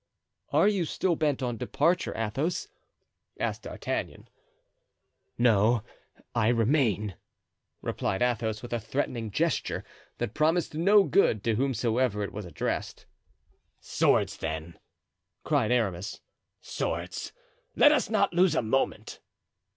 "Are you still bent on departure, Athos?" asked D'Artagnan. "No, I remain," replied Athos, with a threatening gesture that promised no good to whomsoever it was addressed. "Swords, then!" cried Aramis, "swords! let us not lose a moment."